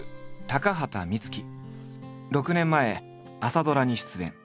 ６年前朝ドラに出演。